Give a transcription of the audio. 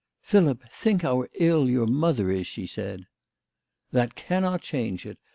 "Philip, think how ill your mother is," she said. " That cannot change it.